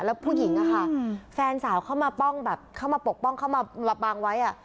แล้วผู้หญิงอะค่ะแฟนสาวเข้ามาป้องแบบเข้ามาปกป้องเข้ามาปางไว้